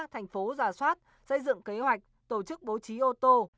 thành phố giả soát xây dựng kế hoạch tổ chức bố trí ô tô